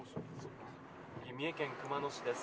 三重県熊野市です。